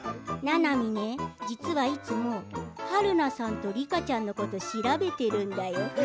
ななみ、実はいつも春菜さん、梨花ちゃんのこと調べてるんだ。